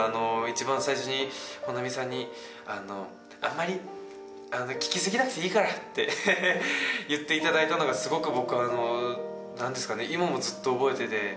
一番最初に保奈美さんにあんまり聞き過ぎなくていいからって言っていただいたのがすごく僕は今もずっと覚えてて。